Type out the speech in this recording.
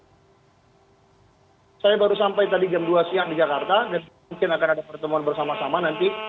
hai saya baru sampai tadi jam dua siang di jakarta mungkin akan ada pertemuan bersama sama nanti